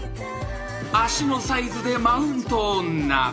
［足のサイズでマウント女］